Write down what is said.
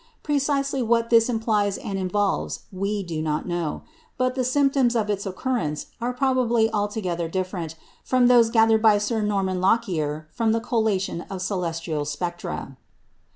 Precisely what this implies and involves we do not know; but the symptoms of its occurrence are probably altogether different from those gathered by Sir Norman Lockyer from the collation of celestial spectra.